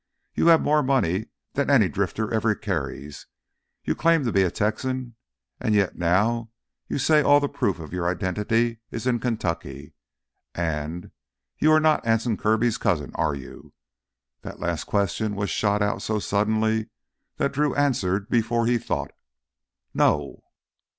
You have more money than any drifter ever carries. You claim to be a Texan, and yet now you say all the proof of your identity is in Kentucky. And—you are not Anson Kirby's cousin, are you?" That last question was shot out so suddenly that Drew answered before he thought. "No."